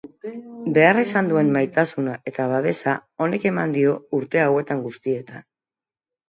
Behar izan duen maitasuna eta babesa honek eman dio urte hauetan guztietan.